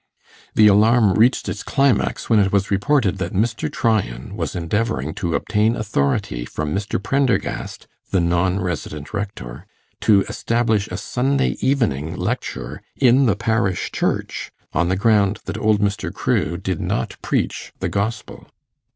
The alarm reached its climax when it was reported that Mr. Tryan was endeavouring to obtain authority from Mr. Prendergast, the non resident rector, to establish a Sunday evening lecture in the parish church, on the ground that old Mr. Crewe did not preach the Gospel.